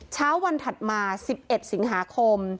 เช้าวันถัดมา๑๑สิงหาคม